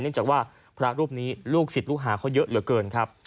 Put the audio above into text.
จากว่าพระรูปนี้ลูกศิษย์ลูกหาเขาเยอะเหลือเกินครับ